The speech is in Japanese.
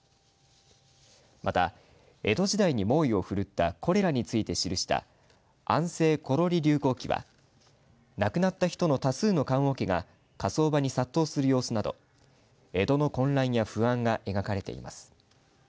また、江戸時代に猛威を振るったコレラについて記した安政箇労痢流行記は亡くなった人の多数の棺おけが火葬場に殺到する様子など江戸の混乱や不安が描かれています。